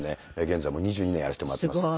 現在２２年やらせてもらっています。